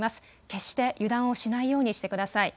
決して油断をしないようにしてください。